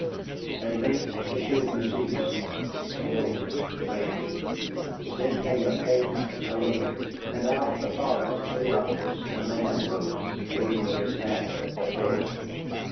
At length the shooting ceased; stillness reigned; then came a faint halloo, and out of the forest beyond us a man rode, waving his hat at the fort.